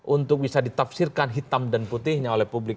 untuk bisa ditafsirkan hitam dan putihnya oleh publik